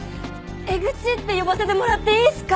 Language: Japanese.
エグチって呼ばせてもらっていいすか？